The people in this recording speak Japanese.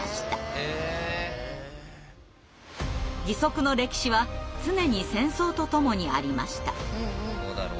義足の歴史は常に戦争とともにありました。